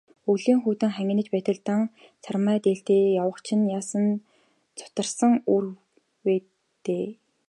Өвлийн хүйтэн хангинаж байтал, дан сармай дээлтэй явах чинь яасан зутарсан үр вэ дээ.